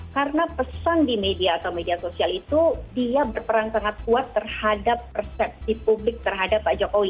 karena pesan di media atau media sosial itu dia berperan sangat kuat terhadap persepsi publik terhadap pak jokowi